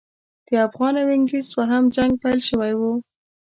د افغان او انګلیس دوهم جنګ پیل شوی وو.